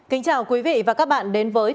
kính chào quý vị và các bạn đến với